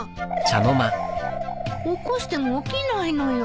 うん？起こしても起きないのよ。